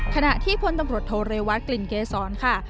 ขณะที่พลตำรวจโทเรวัตกลิ่นเกษรค่ะ